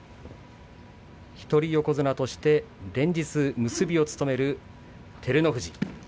一人横綱として連日結びを務める照ノ富士。